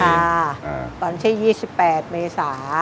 วันที่๒๘เมษา